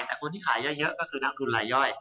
แต่คนที่ขายเยอะก็คือนักทุนรายย่อย